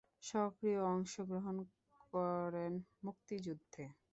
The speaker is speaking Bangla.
সক্রিয় অংশগ্রহণ করেন মুক্তিযুদ্ধে।